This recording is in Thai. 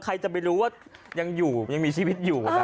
ใครจะไปรู้ว่ายังอยู่ยังมีชีวิตอยู่